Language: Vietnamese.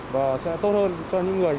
và sẽ tốt hơn cho những người